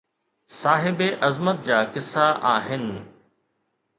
صاحبِ عظمت جا قصا آهن